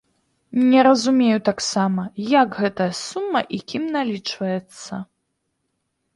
Не разумею таксама, як гэтая сума і кім налічваецца.